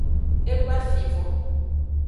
E doa fi vo.